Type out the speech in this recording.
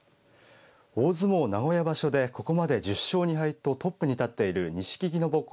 大相撲名古屋場所でここまで１０勝２敗とトップに立っている錦木の母校